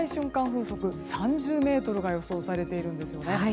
風速３０メートルが予想されているんですよね。